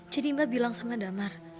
jadi mbak bilang sama damar